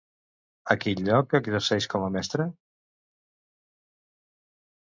A quin lloc exerceix com a mestra?